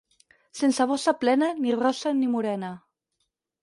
Sense bossa plena, ni rossa ni morena.